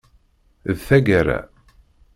D tagara.